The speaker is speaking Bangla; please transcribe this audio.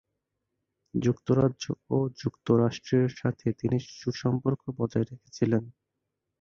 যুক্তরাজ্য ও যুক্তরাষ্ট্রের সাথে তিনি সুসম্পর্ক বজায় রেখেছিলেন।